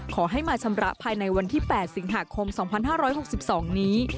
ขอให้มาชำระภายในวันที่๘สิงหาคม๒๕๖๒นี้